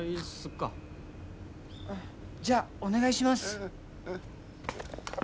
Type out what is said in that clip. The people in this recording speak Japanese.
うんじゃあお願いします。